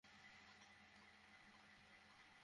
ওর চেহারা দেখেই বুঝতে পারছি তার স্বভাব কেমন হবে।